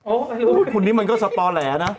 โอ้โหคนนี้มันก็สตอแหลนะ